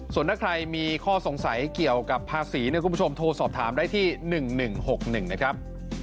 ส่วนถ้าใครมีข้อสงสัยเกี่ยวกับภาษีเนี่ยคุณผู้ชมโทรสอบถามได้ที่๑๑๖๑นะครับ